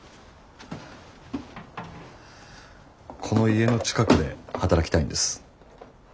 この家の近くで働きたいんです。